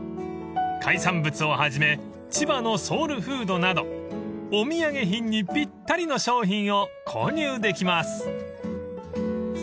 ［海産物をはじめ千葉のソウルフードなどお土産品にぴったりの商品を購入できます］